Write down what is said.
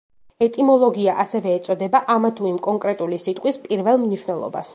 ეტიმოლოგია ასევე ეწოდება ამა თუ იმ კონკრეტული სიტყვის პირველ მნიშვნელობას.